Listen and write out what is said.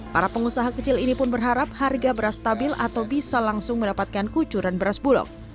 para pengusaha kecil ini pun berharap harga beras stabil atau bisa langsung mendapatkan kucuran beras bulog